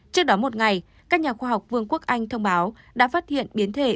trước đó một ngày các nhà khoa học vương quốc anh thông báo đã phát hiện biến thể